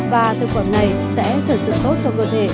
và thực phẩm này sẽ thật sự tốt cho cơ thể